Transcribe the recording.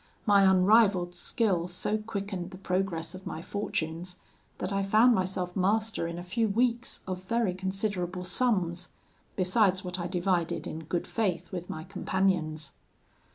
My unrivalled skill so quickened the progress of my fortunes, that I found myself master, in a few weeks, of very considerable sums, besides what I divided in good faith with my companions.